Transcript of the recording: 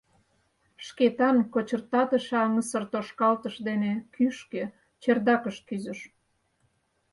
Шкетан кочыртатыше аҥысыр тошкалтыш дене кӱшкӧ, чердакыш, кӱзыш.